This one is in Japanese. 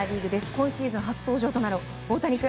今シーズン初登場となる大谷君。